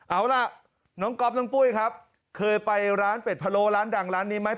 เอาล่ะน้องก๊อฟน้องปุ้ยครับเคยไปร้านเป็ดพะโล้ร้านดังร้านนี้ไหม